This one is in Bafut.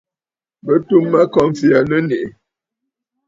Bɨ tum Mâmfɔtì aa nɨ̀ nèʼè.